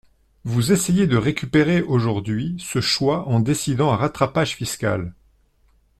Vous essayez de récupérer aujourd’hui ce choix en décidant un rattrapage fiscal.